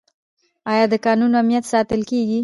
آیا د کانونو امنیت ساتل کیږي؟